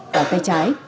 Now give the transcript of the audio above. và tay trái